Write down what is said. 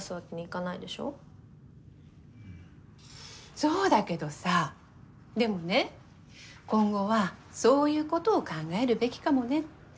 そうだけどさでもね今後はそういうことを考えるべきかもねって思う。